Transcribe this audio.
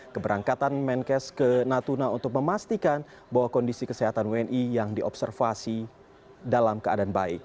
keberangkatan menkes ke natuna untuk memastikan bahwa kondisi kesehatan wni yang diobservasi dalam keadaan baik